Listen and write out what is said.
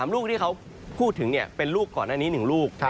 ลูกที่เขาพูดถึงเป็นลูกก่อนหน้านี้๑ลูก